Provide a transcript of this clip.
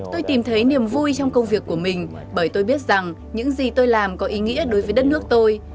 tôi tìm thấy niềm vui trong công việc của mình bởi tôi biết rằng những gì tôi làm có ý nghĩa đối với đất nước tôi